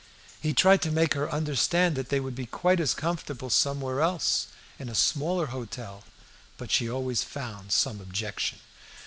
He tried to make her understand that they would be quite as comfortable somewhere else, in a smaller hotel, but she always found some objection.